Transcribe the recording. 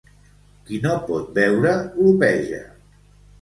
Qui no pot beure, glopeja.